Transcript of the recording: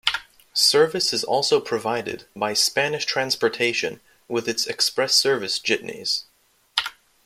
Service is also provided by Spanish Transportation with its Express Service jitneys.